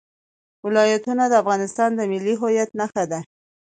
ولایتونه د افغانستان د ملي هویت نښه ده.